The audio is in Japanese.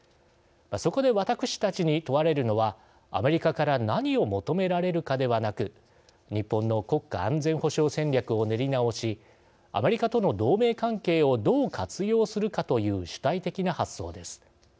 そこで私たちに問われるのはアメリカから何を求められるかではなく日本の国家安全保障戦略を練り直しアメリカとの同盟関係をどう活用するかという主体的な発想です。